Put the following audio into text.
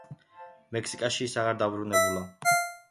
მექსიკაში ის აღარ დაბრუნებულა.